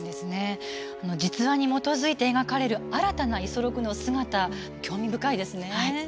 実話に基づいて描かれる新たな五十六の姿、興味深いです